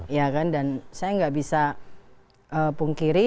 ya kan dan saya nggak bisa pungkiri